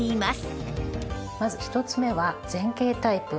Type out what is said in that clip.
まず１つ目は前傾タイプ。